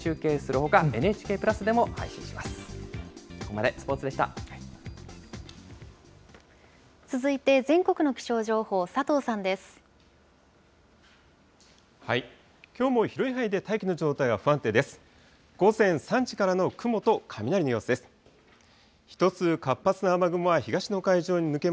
きょうも広い範囲で大気の状態は不安定です。